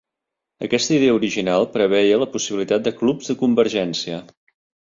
Aquesta idea original preveia la possibilitat de clubs de convergència.